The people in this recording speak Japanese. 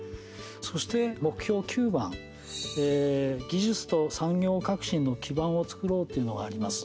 そして目標９番技術と産業革新の基盤を作ろうというのがあります。